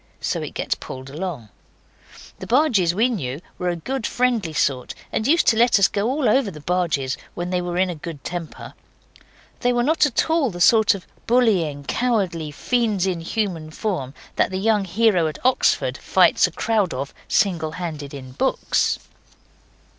So it gets pulled along. The bargees we knew were a good friendly sort, and used to let us go all over the barges when they were in a good temper. They were not at all the sort of bullying, cowardly fiends in human form that the young hero at Oxford fights a crowd of, single handed, in books.